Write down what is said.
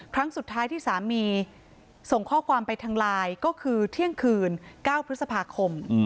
ครั้งสุดท้ายที่สามีส่งข้อความไปทางไลน์ก็คือเที่ยงคืน๙พฤษภาคม